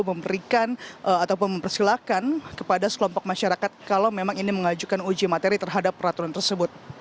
memberikan ataupun mempersilahkan kepada sekelompok masyarakat kalau memang ini mengajukan uji materi terhadap peraturan tersebut